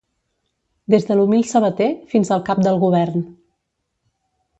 des de l'humil sabater fins al cap del govern